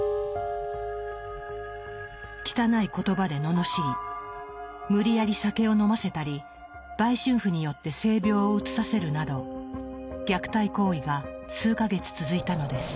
汚い言葉で罵り無理やり酒を飲ませたり売春婦によって性病をうつさせるなど虐待行為が数か月続いたのです。